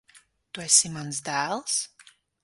Tu esi mans dēls?